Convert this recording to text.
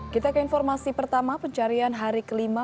kita ke informasi pertama pencarian hari kelima